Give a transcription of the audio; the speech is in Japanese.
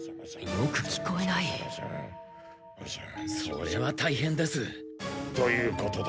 それはたいへんです。ということだ。